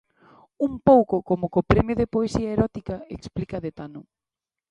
Un pouco como co premio de poesía erótica, explica De Tano.